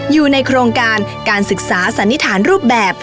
อยู่ในโครงการการศึกษาสันนิษฐานรูปแบบ